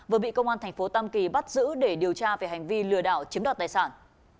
vừa bị công an thành phố tam kỳ bắt giữ để điều tra về hành vi lừa đảo chiếm đoạt tài sản